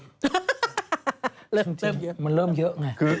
จริงมันเริ่มเยอะไง